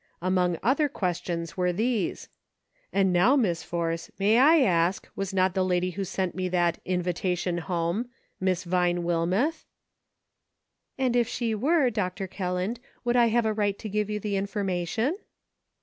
Among other questions were these :" And now, Miss Force, may I ask, was not the lady who sent me that 'invitation home,' Miss Vine Wilmeth .'"" And if she were. Dr. Kelland, would I have a right to give you the information